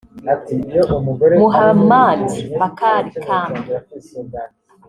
Muhammad Bakari Kambi